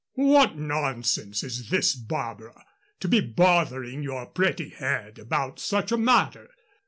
"What nonsense is this, Barbara, to be bothering your pretty head about such a matter!